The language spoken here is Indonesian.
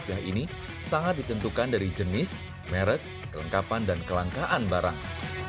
rupiah ini sangat ditentukan dari jenis merek kelengkapan dan kelangkaan barang